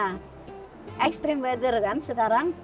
nah extreme bether kan sekarang